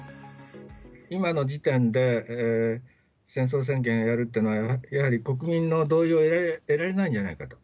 今の時点で戦争宣言をやるってのは、やはり、国民の同意を得られないんじゃないかと。